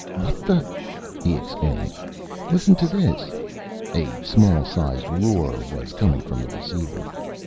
"What the " he exclaimed. "Listen to this!" A small sized roar was coming from the receiver.